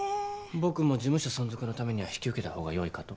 僕も事務所存続のためには引き受けたほうが良いかと。